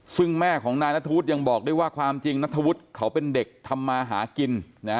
ซึ่งแม่ของนายนัทธวุฒิยังบอกด้วยว่าความจริงนัทธวุฒิเขาเป็นเด็กทำมาหากิน